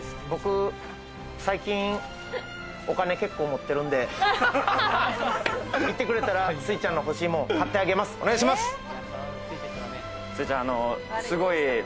僕、最近お金結構持ってるんで、言ってくれたら、すいちゃんの欲しいものを買ってあげます。